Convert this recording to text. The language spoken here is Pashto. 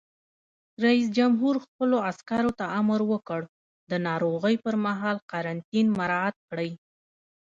رئیس جمهور خپلو عسکرو ته امر وکړ؛ د ناروغۍ پر مهال قرنطین مراعات کړئ!